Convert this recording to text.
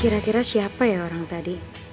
kira kira siapa ya orang tadi